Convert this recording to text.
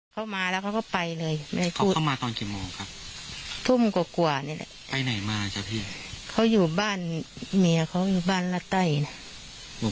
เขามาแล้วเขาก็ไปเลยในทุ่มกว่านี่แหละเขาอยู่บ้านเมียเขาอยู่บ้านละไต้น่ะ